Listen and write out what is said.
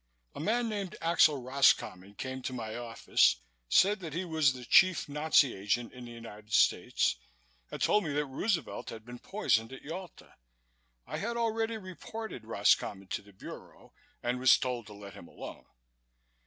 "A man named Axel Roscommon came to my office, said that he was the chief Nazi agent in the United States, and told me that Roosevelt had been poisoned at Yalta. I had already reported Roscommon to the Bureau and was told to let him alone.